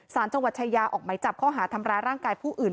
สารจังหวัดชายาออกไหมจับข้อหาทำร้ายร่างกายผู้อื่น